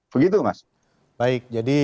begitu mas baik jadi